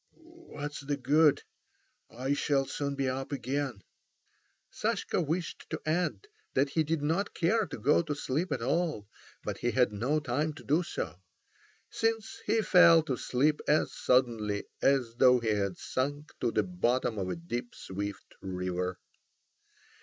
"What's the good? I shall soon be up again." Sashka wished to add that he did not care to go to sleep at all, but he had no time to do so, since he fell to sleep as suddenly as though he had sunk to the bottom of a deep swift river.